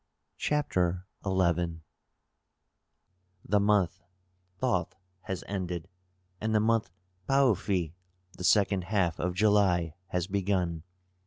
CHAPTER XI The month Thoth has ended and the month Paofi (the second half of July) has begun.